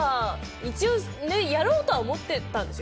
一応やろうとは思ってたんですよ。